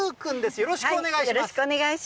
よろしくお願いします。